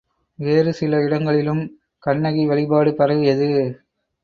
வேறு சில இடங்களிலும் கண்ணகி வழிபாடு பரவியது.